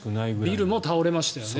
ビルも倒れましたよね。